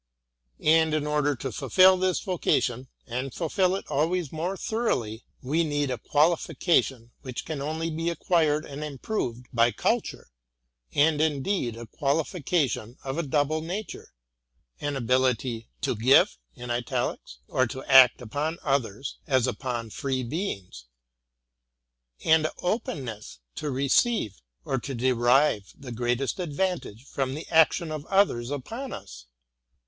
And in order to fulfil this vocation, and fulfil it always more thoroughly, we need a qualification which can only be acquired and improved by culture ; and indeed a qualifi cation of a double nature : an ability to give, or to act upon others as upon free beings; — and a openness to receive, or to derive the greatest advantage from the action of others upon us.